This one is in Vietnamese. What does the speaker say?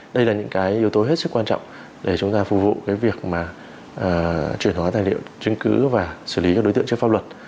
đây là những cái yếu tố hết sức quan trọng để chúng ta phục vụ cái việc mà chuyển hóa tài liệu chứng cứ và xử lý các đối tượng trước pháp luật